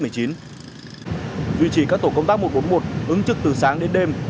duy trì các tổ công tác một trăm bốn mươi một ứng trực từ sáng đến đêm